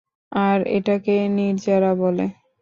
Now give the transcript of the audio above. আর এটাকেই নির্জারা বলে।